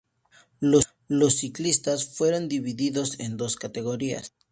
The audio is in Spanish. Los ciclistas fueron divididos en dos categorías.